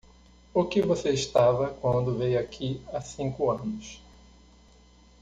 O que você estava quando veio aqui há cinco anos?